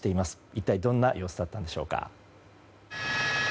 一体どんな様子だったのでしょうか。